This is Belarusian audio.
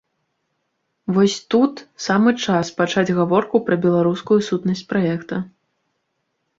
Вось тут самы час пачаць гаворку пра беларускую сутнасць праекта.